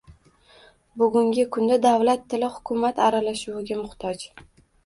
Bugungi kunda davlat tili hukumat aralashuviga muhtoj